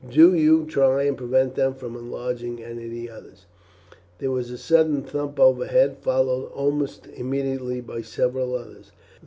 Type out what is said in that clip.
Do you try and prevent them from enlarging any of the others." There was a sudden thump overhead, followed almost immediately by several others.